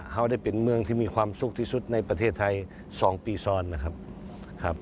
เขาได้เป็นเมืองที่มีความสุขที่สุดในประเทศไทย๒ปีซ้อนนะครับ